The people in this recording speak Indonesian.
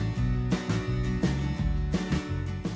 setelah selesai direnovasi masjid istiqlal di jakarta pusat